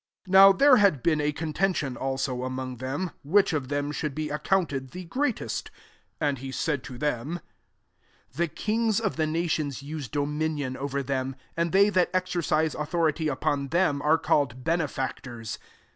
24 NOW there had been a contention also among theniy which of them should be ac counted the greatest. 35 And he said to them, THe kings of the nations use dominion over them ; and they that exercise authority upon thera are called benefactors.